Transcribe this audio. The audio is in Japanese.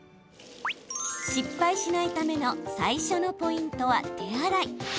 失敗しないための最初のポイントは、手洗い。